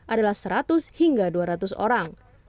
adalah seratus hingga dua ratus orang